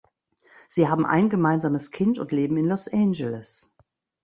Sie haben ein gemeinsames Kind und leben in Los Angeles.